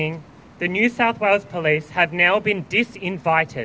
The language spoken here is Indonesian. polisi new south wales sekarang telah disinvite